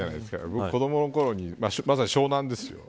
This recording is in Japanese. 僕、子どものころにまさに、湘南ですよ。